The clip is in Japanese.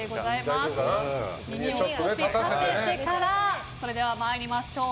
耳を少し立ててから参りましょう。